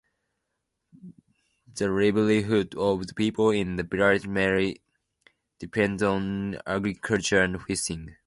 The livelihood of the people in the village mainly depends on agriculture and fishing.